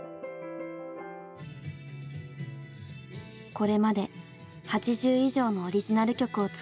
これまで８０以上のオリジナル曲を作ってきました。